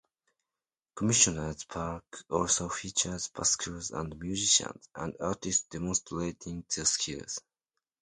Commissioners Park also features buskers and musicians, and artists demonstrating their skills.